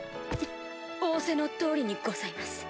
仰せの通りにございます。